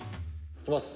「いきます。